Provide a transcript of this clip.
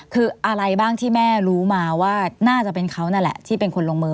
คืออะไรบ้างที่แม่รู้มาว่าน่าจะเป็นเขานั่นแหละที่เป็นคนลงมือ